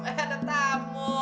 eh ada tamu